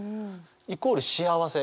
イコール幸せ。